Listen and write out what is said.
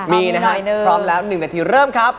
มีนะฮะพร้อมแล้ว๑นาทีเริ่มครับ